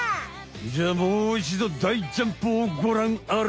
じゃあもういちどだいジャンプをごらんあれ。